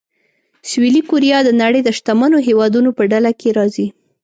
سویلي کوریا د نړۍ د شتمنو هېوادونو په ډله کې راځي.